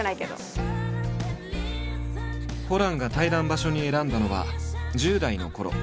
ホランが対談場所に選んだのは１０代のころ